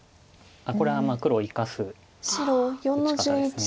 これは黒を生かす打ち方です。